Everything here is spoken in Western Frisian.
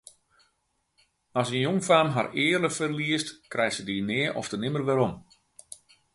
As in jongfaam har eare ferliest, krijt se dy nea ofte nimmer werom.